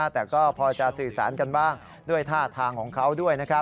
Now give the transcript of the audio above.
แต่ก็พอจะสื่อสารกันบ้างด้วยท่าทางของเขาด้วย